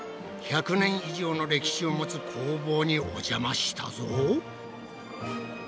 １００年以上の歴史を持つ工房にお邪魔したぞ。